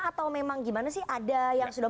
atau memang gimana sih ada yang sudah